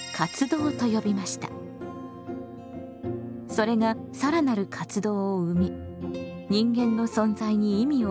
それが更なる活動を生み人間の存在に意味を与え